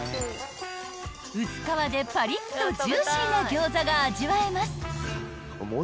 ［薄皮でパリッとジューシーな餃子が味わえます］